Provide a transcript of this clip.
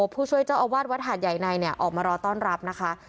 ผู้ช่วยเจ้าอาวาสวัดหาดใหญ่ในเนี่ยออกมารอต้อนรับนะคะ